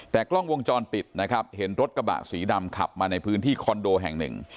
แต่กล้องวงจรปิดนะครับเห็นรถกระบะสีดำขับมาในพื้นที่คอนโดแห่งหนึ่ง